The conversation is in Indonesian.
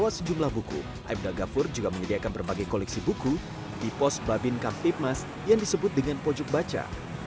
aibda abdul ghafur juga menyediakan berbagai koleksi buku di pos babin kamtikmas yang disebut dengan pojok baca